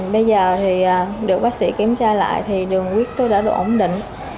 bây giờ được bác sĩ kiểm tra lại thì đường quyết tôi đã đủ ổn định